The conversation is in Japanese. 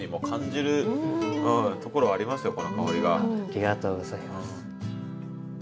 ありがとうございます。